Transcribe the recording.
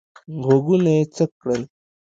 غوږونه یې څک کړل.